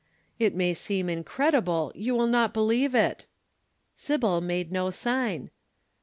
"'It may seem incredible you will not believe it.' "Sybil made no sign.